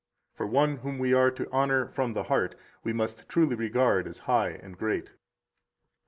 For one whom we are to honor from the heart we must truly regard as high and great.